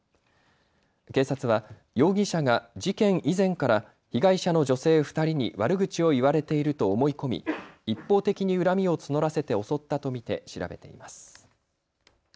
警察は容疑者が事件以前から被害者の女性２人に悪口を言われていると思い込み一方的に恨みを募らせて襲ったと見て調べています。